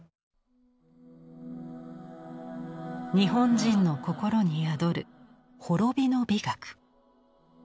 日本人の心に宿る滅びの美学。